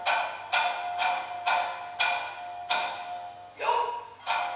よっ！